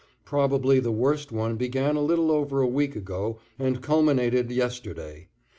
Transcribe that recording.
Probably the worst one began a little over a week ago and culminated yesterday.